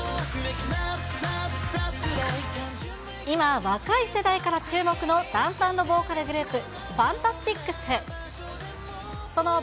今、若い世代から注目のダンス＆ボーカルグループ、ファンタスティックス。